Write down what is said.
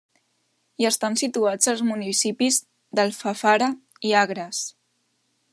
Hi estan situats els municipis d'Alfafara i Agres.